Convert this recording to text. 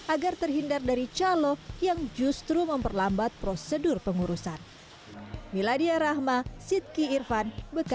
agar terhindar dari calo yang justru memperlambat prosedur pengurusan